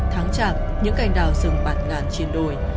tháng trạng những cành đào rừng bạt ngàn chiến đổi